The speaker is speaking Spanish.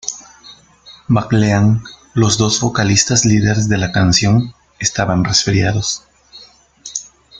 McLean, los dos vocalistas líderes de la canción, estaban resfriados.